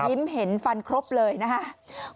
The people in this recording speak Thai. เห็นฟันครบเลยนะครับ